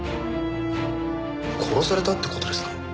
殺されたって事ですか？